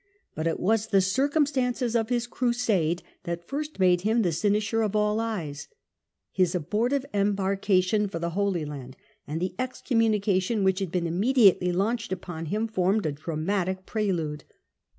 But it was the circumstances of his Crusade that first made him the cynosure of all eyes. His abortive embarkation for the Holy Land and the excommunication which had been immediately launched against him formed a dramatic prelude.